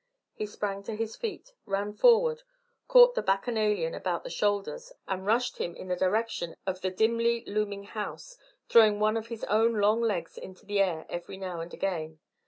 He sprang to his feet, ran forward, caught the bacchanalian about the shoulders, and rushed him in the direction of the dimly looming house, throwing one of his own long legs into the air every now and again.